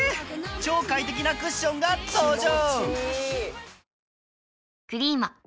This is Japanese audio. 超快適なクッションが登場！